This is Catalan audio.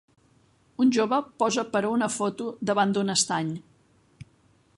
Un jove posa per a una foto davant d'un estany.